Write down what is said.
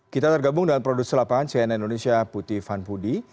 kita tergabung dengan produser lapangan cnn indonesia putih van pudi